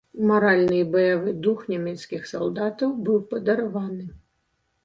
Маральны і баявы дух нямецкіх салдатаў быў падарваны.